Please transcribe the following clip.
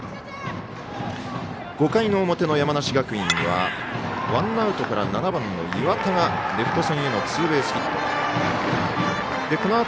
５回の表の山梨学院はワンアウトから７番の岩田がレフト線へのツーベースヒット。